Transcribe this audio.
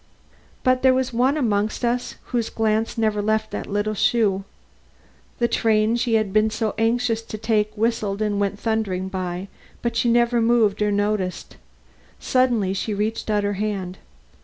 But there was one amongst us whose glance never left that little shoe. The train she had been so anxious to take whistled and went thundering by, but she never moved or noticed. Suddenly she reached out her hand.